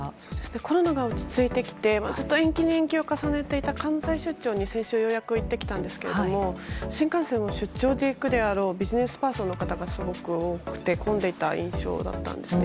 コロナが落ち着いてきてずっと延期を重ねていた関西出張に先日行ってきたんですが新幹線を出張で行くであろうビジネスパーソンの人で混んでいた印象ですね。